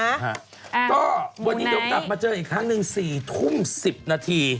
อ้าวมูไนท์วันนี้เดิมตัดมาเจออีกครั้งหนึ่ง๔ทุ่ม๑๐นาที